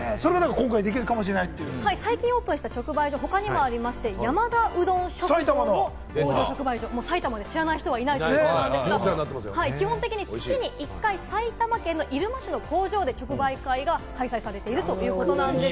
最近オープンした直売所、他にもありまして、山田うどん食堂の直売所、埼玉で知らない人はいないというお店なんですが、基本的に月に一回、埼玉県入間市の工場で直売会が開催されているということなんです。